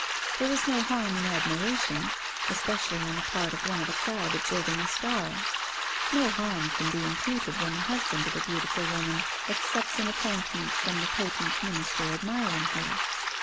There is no harm in admiration, especially on the part of one of a crowd observing a star. No harm can be imputed when the husband of a beautiful woman accepts an appointment from the potent Minister admiring her.